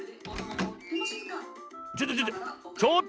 ちょっとちょっと。